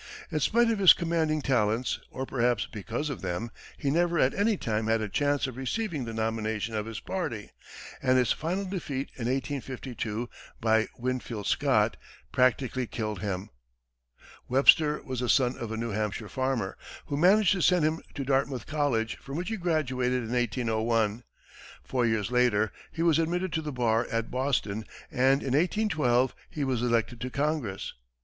In spite of his commanding talents, or, perhaps, because of them, he never at any time had a chance of receiving the nomination of his party, and his final defeat in 1852, by Winfield Scott, practically killed him. [Illustration: WEBSTER] Webster was the son of a New Hampshire farmer, who managed to send him to Dartmouth College, from which he graduated in 1801. Four years later he was admitted to the bar at Boston, and in 1812 he was elected to Congress.